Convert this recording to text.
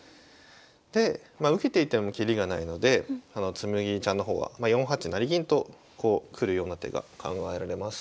でまあ受けていてもきりがないので紬ちゃんの方は４八成銀とこうくるような手が考えられます。